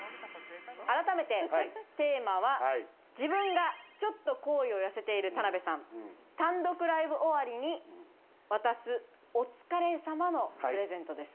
改めてテーマは、自分がちょっと好意を寄せている田辺さん、単独ライブ終わりに渡す、お疲れさまのプレゼントです。